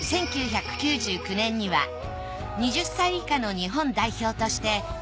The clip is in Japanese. １９９９年には２０歳以下の日本代表としてＦＩＦＡ